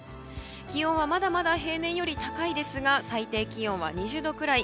気温はまだまだ平年より高いですが最低気温は２０度くらい。